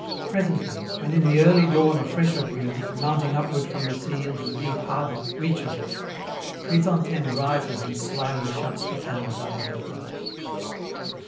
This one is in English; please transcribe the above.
Presently, when in the early dawn a fresher breeze, mounting upward from the sea and the deep harbor, reaches us, Chrysantheme rises and slyly shuts the panels I have opened.